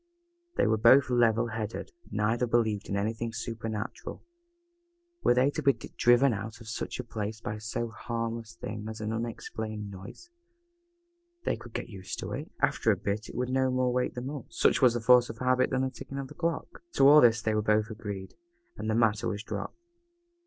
They were both level headed, neither believed in anything super natural. Were they to be driven out of such a place by so harmless a thing as an unexplained noise? They could get used to it. After a bit it would no more wake them up, such was the force of habit than the ticking of the clock. To all this they both agreed, and the matter was dropped.